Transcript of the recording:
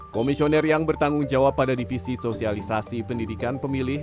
komisioner yang bertanggung jawab pada divisi sosialisasi pendidikan pemilih